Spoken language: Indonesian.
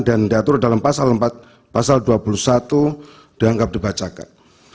dan diatur dalam pasal dua puluh satu dianggap dibacakan